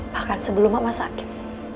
bahkan sebelum mama sakit